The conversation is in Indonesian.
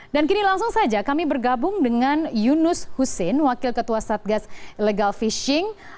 dan kini langsung saja kami bergabung dengan yunus husin wakil ketua satgas legal fishing